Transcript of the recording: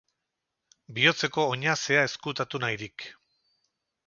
Bihotzeko oinazea ezkutatu nahirik.